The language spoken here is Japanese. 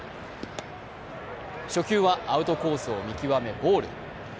初球は、アウトコースを見極めボール。